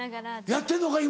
やってんのか今。